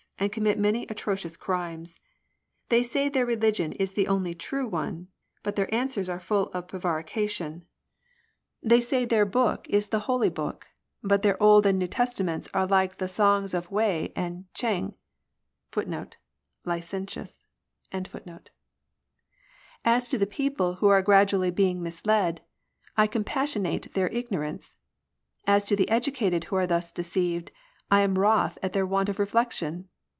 And commit many atrocious crimes. They say their religion is the only true one, But their answers are full of prevarication. 1 98 ANTI CHRISTIAN L YRICS. They say their book is the Holy Book, But the Old and New Testaments are like the songs of Wei and Ch^ng.* As to the people who are gradually being misled, I compassionate their ignorance ; As to the educated who are thus deceived, I am wroth at their want of reflection.